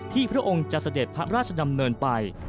พระองค์จะเสด็จพระราชดำเนินไป